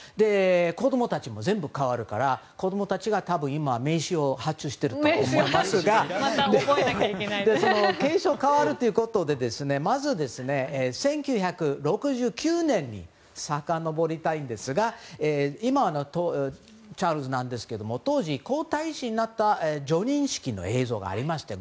子供たちも全部変わるから子供たちが多分、今名刺を発注していると思いますが継承、変わるということで１９６９年にさかのぼりたいんですが今はチャールズなんですけども当時、皇太子になった叙任式の映像がありました。